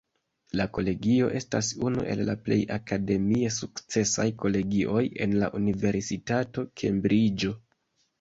La Kolegio estas unu el plej akademie sukcesaj kolegioj en la Universitato Kembriĝo.